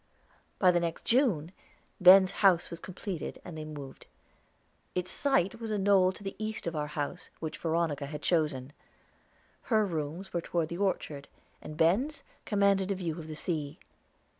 By the next June, Ben's house was completed and they moved. Its site was a knoll to the east of our house, which Veronica had chosen. Her rooms were toward the orchard, and Ben's commanded a view of the sea.